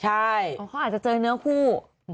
ใช่เขาอาจจะเจอเนื้อคู่